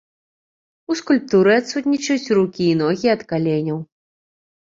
У скульптуры адсутнічаюць рукі і ногі ад каленяў.